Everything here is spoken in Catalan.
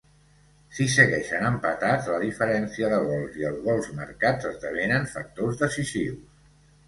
Si segueixen empatats, la diferència de gols i els gols marcats esdevenen factors decisius.